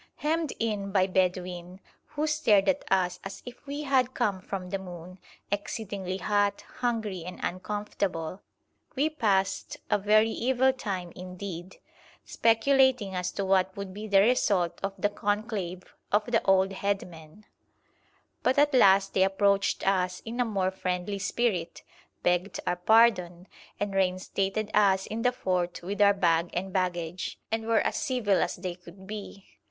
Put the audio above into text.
Hemmed in by Bedouin, who stared at us as if we had come from the moon, exceedingly hot, hungry, and uncomfortable, we passed a very evil time indeed, speculating as to what would be the result of the conclave of the old head men; but at last they approached us in a more friendly spirit, begged our pardon, and reinstated us in the fort with our bag and baggage, and were as civil as they could be.